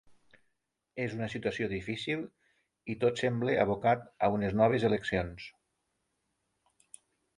És una situació difícil i tot sembla abocat a unes noves eleccions.